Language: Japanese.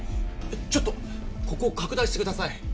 えっちょっとここ拡大してください。